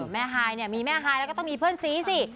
ฮายเนี่ยมีแม่ฮายแล้วก็ต้องมีเพื่อนซีสิ